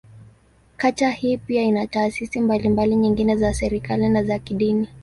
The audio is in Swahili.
Kata hii pia ina taasisi mbalimbali nyingine za serikali, na za kidini.